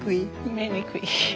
見にくい。